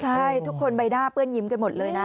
ใช่ทุกคนใบหน้าเปื้อนยิ้มกันหมดเลยนะ